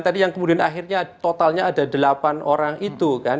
tadi yang kemudian akhirnya totalnya ada delapan orang itu kan